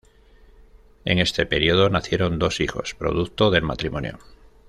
En este período nacieron dos hijos producto del matrimonio.